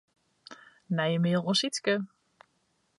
Nije mail oan Sytske.